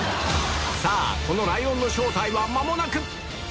さぁこのライオンの正体は間もなく！